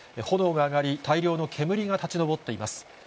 炎が上がり、大量の煙が立ち上っています。